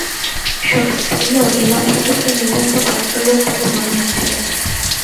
সফিক বলল, ইমাম সাহেবকে নিতান্ত ভদ্রলোক বলে মনে হচ্ছে।